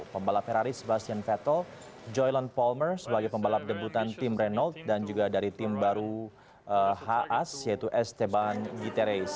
pembalap ferrari sebastian vettel joylon palmer sebagai pembalap debutan tim renault dan juga dari tim baru haas yaitu esteban guterres